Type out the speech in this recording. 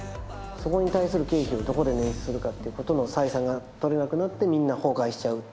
そこに対する経費をどこで捻出するかっていうことの採算がとれなくなってみんな崩壊しちゃう。